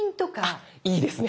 あっいいですね。